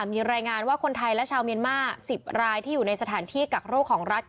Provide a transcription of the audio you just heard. มีรายงานว่าคนไทยและชาวเมียนมาร์๑๐รายที่อยู่ในสถานที่กักโรคของรัฐ